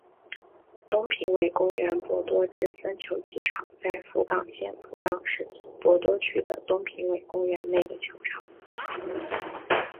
东平尾公园博多之森球技场在福冈县福冈市博多区的东平尾公园内的球场。